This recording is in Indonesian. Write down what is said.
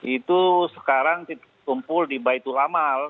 itu sekarang kumpul di baitul amal